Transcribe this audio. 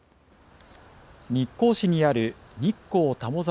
日光市にある日光田母沢